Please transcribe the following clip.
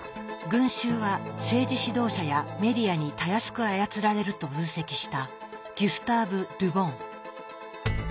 群衆は政治指導者やメディアにたやすく操られると分析したギュスターヴ・ル・ボン。